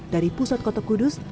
dari pusat kota kudus